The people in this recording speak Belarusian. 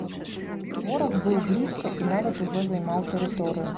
Вораг быў блізка і нават ужо займаў тэрыторыю.